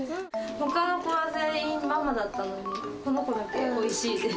ほかの子は全員、ママだったのに、この子だけ、おいしいです。